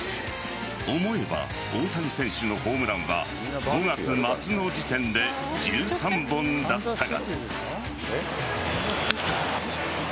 思えば、大谷選手のホームランは５月末の時点で１３本だったが。